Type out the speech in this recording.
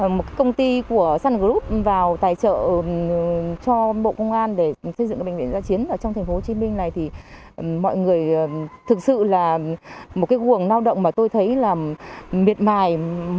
một công ty của sun group vào tài trợ cho bộ công an để xây dựng bệnh viện giá chiến ở trong tp hcm này thì mọi người thực sự là một cái quần nao động mà tôi thấy là miệt mài